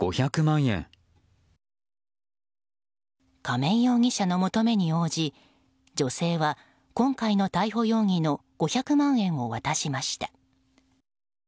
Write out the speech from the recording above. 亀井容疑者の求めに応じ女性は今回の逮捕容疑の５００万円を渡しました。